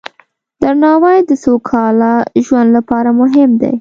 درناوی د سوکاله ژوند لپاره مهم دی.